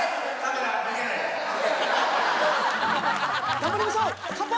頑張りましょう！乾杯！